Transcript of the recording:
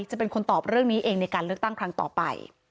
จะเป็นคนตอบเรื่องนี้เองในการเลือกตั้งครั้งต่อไป